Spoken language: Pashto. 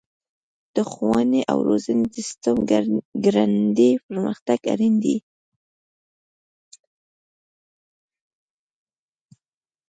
د ښوونې او روزنې د سیسټم ګړندی پرمختګ اړین دی.